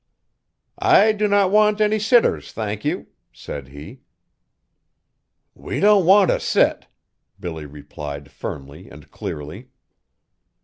"I do not want any sitters, thank you," said he. "We don't want t' set," Billy replied firmly and clearly.